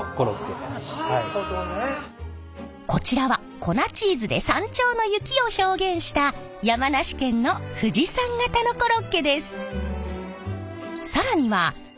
こちらは粉チーズで山頂の雪を表現した山梨県の富士山型のコロッケです。